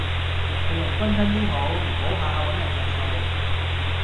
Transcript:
做人均真 D 好，唔好吓吓搵人着數